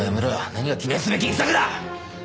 何が記念すべき一作だ！